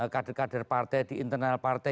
kader kader partai di internal partai